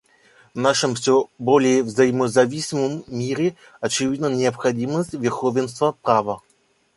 В нашем все более взаимозависимом мире очевидна необходимость верховенства права.